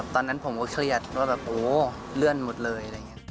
ตอนนั้นผมก็เครียดว่าโอ้เลื่อนหมดเลย